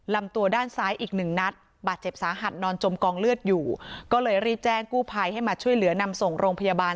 ลำตัวด้านซ้ายอีกหนึ่งนัดบาดเจ็บสาหัสนอนจมกองเลือดอยู่ก็เลยรีบแจ้งกู้ภัยให้มาช่วยเหลือนำส่งโรงพยาบาล